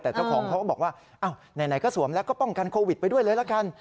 แต่เจ้าของเขาก็บอกว่าไหนก็สวมแล้วก็ป้องกันโควิดไปด้วยเลยละกัน